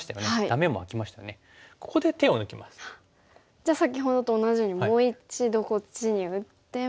じゃあ先ほどと同じようにもう一度こっちに打っても。